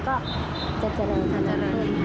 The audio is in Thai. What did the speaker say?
ก็จะเจริญขึ้น